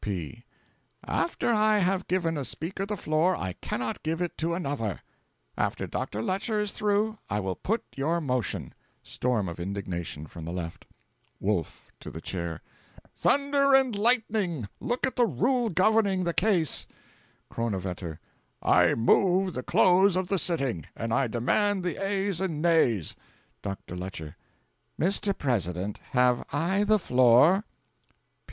P. 'After I have given a speaker the floor, I cannot give it to another. After Dr. Lecher is through, I will put your motion.' (Storm of indignation from the Left.) Wolf (to the Chair). 'Thunder and lightning! look at the Rule governing the case!' Kronawetter. 'I move the close of the sitting! And I demand the ayes and noes!' Dr. Lecher. 'Mr. President, have I the floor?'